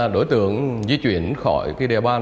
đối tượng di chuyển khỏi địa bàn